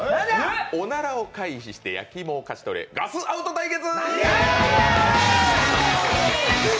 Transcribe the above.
おならを回避してやきいもを勝ち取れ、ガス・アウト対決！